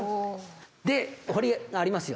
で堀がありますよ。